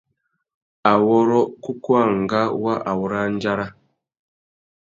Awôrrô kúkúangâ wa awôrandzara.